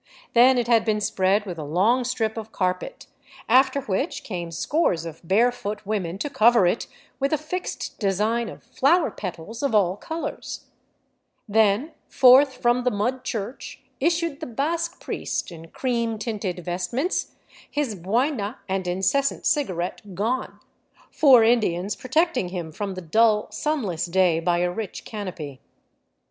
Then it had been )read with a long strip of carpet, after which came scores of barefoot ^omen to cover it with a fixed design of flower petals of all colors, 'hen forth from the mud church issued the Basque priest in cream tinted vestments, his boina and incessant cigarette gone, four Indians protecting him from the dull, sunless day by a rich canopy.